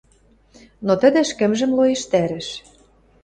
Но тӹдӹ ӹшкӹмжӹм лоэштӓрӹш.